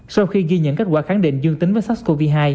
sau khi ghi nhận kết quả khẳng định dương tính với sars cov hai